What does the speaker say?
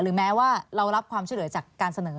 แม้ว่าเรารับความช่วยเหลือจากการเสนอ